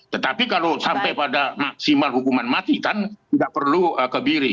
tetapi kalau sampai pada maksimal hukuman mati kan tidak perlu kebiri